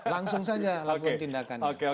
langsung saja lakukan tindakan